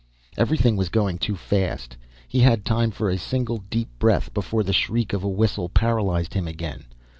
Everything was going too fast. He had time for a single deep breath before the shriek of a whistle paralyzed him again.